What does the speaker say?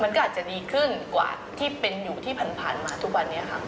มันก็อาจจะดีขึ้นกว่าที่เป็นอยู่ที่ผ่านมาทุกวันนี้ค่ะ